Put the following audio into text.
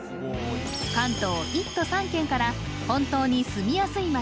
関東一都三県から本当に住みやすい街